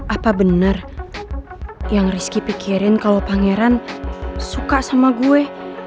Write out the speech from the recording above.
apa benar yang rizky pikirin kalau pangeran suka sama gue